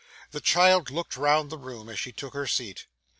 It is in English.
The child looked round the room as she took her seat.